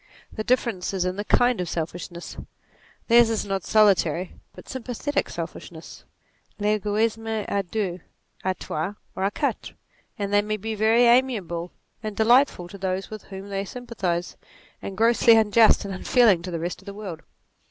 The difference is in the kind Q selfishness : theirs is not solitary but sympathetic selfishness ; Pegoismc a deux, a trois, or a quatre ; and they may be very amiable and delightful to those with whom they sympathize, and grossly unjust and unfeeling to the rest of the world.